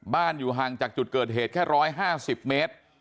อยู่ห่างจากจุดเกิดเหตุแค่๑๕๐เมตร